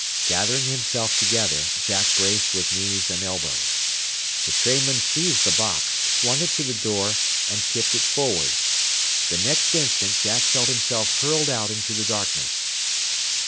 Gathering himself together, Jack braced with knees and elbows. The trainman seized the box, swung it to the door, and tipped it forward. The next instant Jack felt himself hurled out into the darkness.